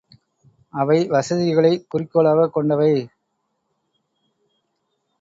அவை வசதிகளைக் குறிக்கோளாகக் கொண்டவை.